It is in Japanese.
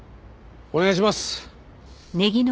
お願いします。